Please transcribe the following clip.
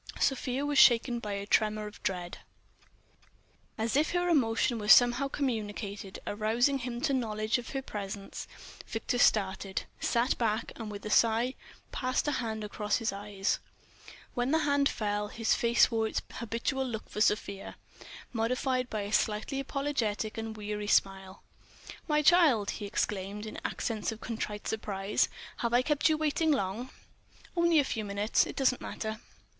Sofia was shaken by a tremor of dread.... And as if her emotion were somehow communicated, arousing him to knowledge of her presence, Victor started, sat back, and with a sigh passed a hand across his eyes. When the hand fell, his face wore its habitual look for Sofia, modified by a slightly apologetic and weary smile. "My child!" he exclaimed in accents of contrite surprise, "have I kept you waiting long?" "Only a few minutes. It doesn't matter."